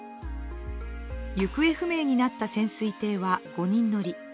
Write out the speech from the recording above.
行方不明になった潜水艇は５人乗り。